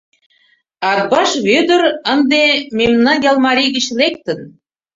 Атбаш Вӧдыр ынде мемнан ял марий гыч лектын.